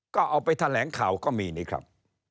ก็เอาไปแถลงข่าวก็มีนี่ครับ